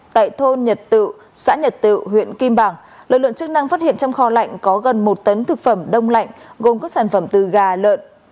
tại thôn nhật tự xã nhật tự huyện kim bảng lực lượng chức năng phát hiện trong kho lạnh có gần một tấn thực phẩm đông lạnh gồm các sản phẩm từ gà lợn